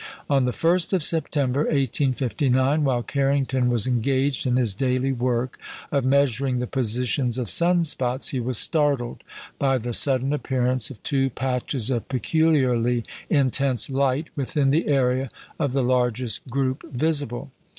On the 1st of September, 1859, while Carrington was engaged in his daily work of measuring the positions of sun spots, he was startled by the sudden appearance of two patches of peculiarly intense light within the area of the largest group visible.